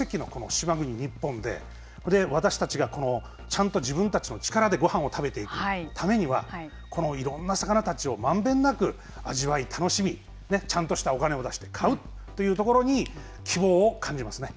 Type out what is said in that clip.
それよりもね北から南まで３００種いろんな魚に恵まれている奇跡の島国・日本で私たちがちゃんと自分たちの力でごはんを食べていくためにはこのいろんな魚たちを満遍なく味わい、楽しみちゃんとしたお金を出して買うというところに希望を感じますね。